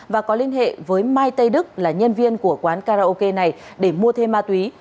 và có liên hệ với mai tây đức là nhân viên của quán karaoke này để mua thêm ma túy